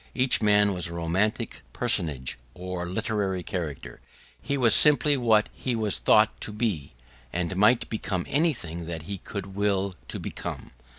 Each man was a romantic personage or literary character: he was simply what he was thought to be, and might become anything that he could will to become.